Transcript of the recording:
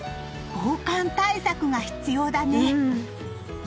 防寒対策が必要だね！